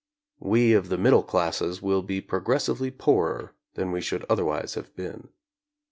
We of the middle classes will be progressively poorer than we should otherwise have been.